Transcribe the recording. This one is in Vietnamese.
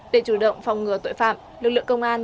để chủ động phòng ngừa tội phạm lực lượng công an